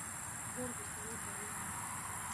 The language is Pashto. ژر بسترې ته ولاړم.